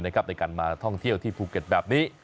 ในการมาท่องเที่ยวที่ภูเก็ตแบบนี้